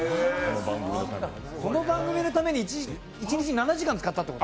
この番組のために一日７時間使ったってこと？